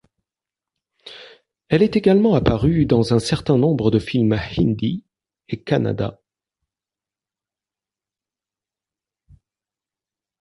Elle est également apparue dans un certain nombre de films hindi et kannada.